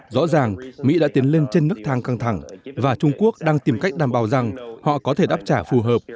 rõ ràng mỹ đã tiến lên trên nước thang căng thẳng và trung quốc đang tìm cách đảm bảo rằng họ có thể đáp trả phù hợp